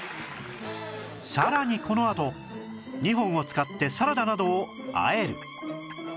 さらにこのあと２本を使ってサラダなどをあえる